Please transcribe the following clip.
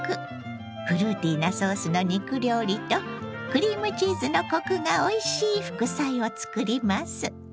フルーティーなソースの肉料理とクリームチーズのコクがおいしい副菜を作ります。